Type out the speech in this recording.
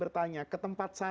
saya alokasikanlah ke tempat sana